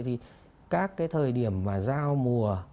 thì các cái thời điểm mà giao mùa